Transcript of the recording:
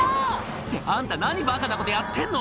「ってあんた何バカなことやってんの！」